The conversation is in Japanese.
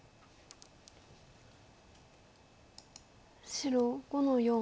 白５の四。